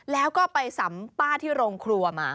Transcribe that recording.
แล้วก็ไปสัมภาษณ์ที่โรงครัวมา